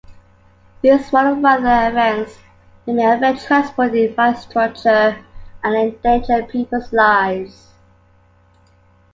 These warn of weather events that may affect transport infrastructure and endanger people's lives.